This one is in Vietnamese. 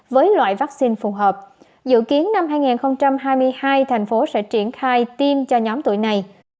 với loại vaccine phù hợp dự kiến năm hai nghìn hai mươi hai tp hcm sẽ chuyển khai tiêm cho nhóm tuổi này